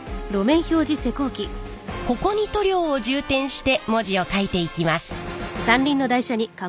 ここに塗料を充填して文字をかいていきます。